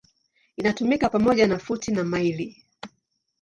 Inatumika pamoja na futi na maili.